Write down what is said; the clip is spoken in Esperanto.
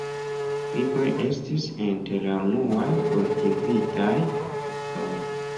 Figoj estis inter la unuaj kultivitaj fruktoj.